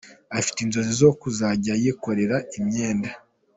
Afite inzozi zo kuzajya yikorera imyenda.